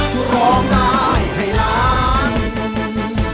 คุณนีมที่